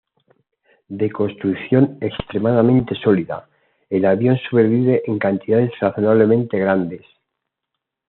De construcción extremadamente sólida, el avión sobrevive en cantidades razonablemente grandes.